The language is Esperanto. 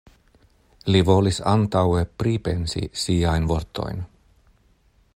Li volis antaŭe pripensi siajn vortojn.